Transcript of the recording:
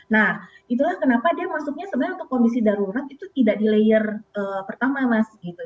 nah itulah kenapa dia masuknya sebenarnya untuk kondisi darurat itu tidak di layer pertama mas gitu